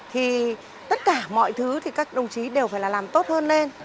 thì tất cả mọi thứ thì các đồng chí đều phải là làm tốt hơn lên